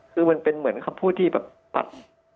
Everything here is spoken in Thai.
คือมันเป็นเหมือนคำพูดที่แบบปัด